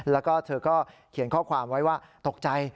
แล้วก็เธอก็เขียนข้อความไว้ว่าตกใจ